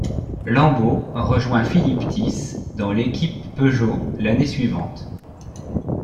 Lambot rejoint Philippe Thys dans l'équipe Peugeot l'année suivante.